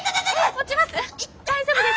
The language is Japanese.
持ちます。